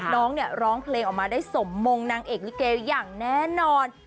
น้องเนี่ยร้องเพลงออกมาได้สมมงนางเอกลิเกอย่างแน่นอน